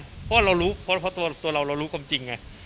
เพราะว่าเรารู้เพราะตัวเราเรารู้ความจริงไง